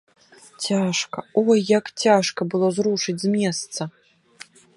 Цяжка, ой як цяжка было зрушыць з месца!